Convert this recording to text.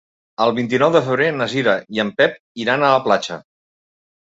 El vint-i-nou de febrer na Cira i en Pep iran a la platja.